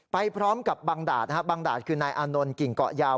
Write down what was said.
ไปพร้อมกับบางดาดบางดาดคือนายอานนท์กิ่งเกาะยาว